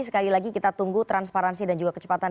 sekali lagi kita tunggu transparansi dan juga kecepatan